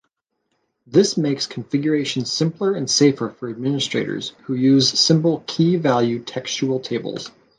This makes configuration simpler and safer for administrators, who use simple key-value textual tables.